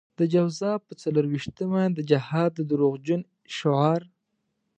د جوزا په څلور وېشتمه د جهاد د دروغجن شعار.